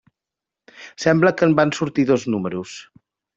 Sembla que en van sortir dos números.